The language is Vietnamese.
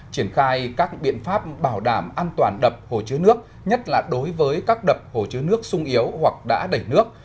triển khai các biện pháp bảo đảm an toàn đập hồ chứa nước nhất là đối với các đập hồ chứa nước sung yếu hoặc đã đẩy nước